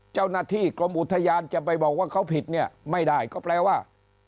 เจ้าหน้าที่กรมอุทยานจะไปบอกว่าเขาผิดเนี่ยไม่ได้ก็แปลว่า